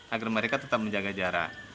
agar mereka tetap menjaga jarak